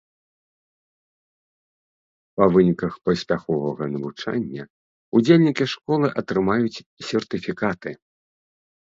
Па выніках паспяховага навучання, удзельнікі школы атрымаюць сертыфікаты.